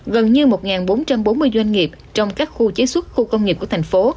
gần như một bốn trăm bốn mươi doanh nghiệp trong các khu chế xuất khu công nghiệp của thành phố